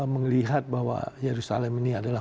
melihat bahwa yerusalem ini adalah